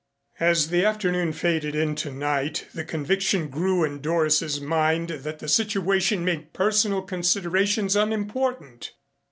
As the afternoon faded into night the conviction grew in Doris's mind that the situation made personal considerations unimportant.